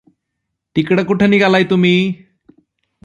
तिकडं कुठं निघालाय तुम्ही?